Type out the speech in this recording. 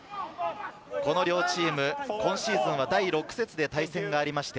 両チーム今シーズンは第６節で対戦がありました。